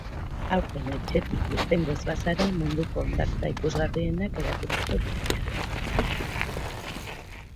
Aurten etxetik irtengo ez bazara, munduko hondartza ikusgarrienak erakutsiko dizkizugu.